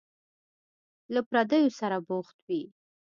له پردیو سره بوخت وي.